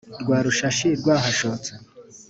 Rwa rushashi rwahashotse,